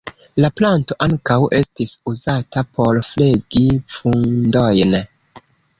La planto ankaŭ estis uzata por flegi vundojn.